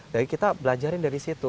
jadi kita belajarin dari situ